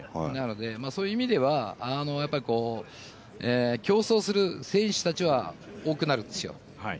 そういう意味では競争する選手たちは多くなるんですよ。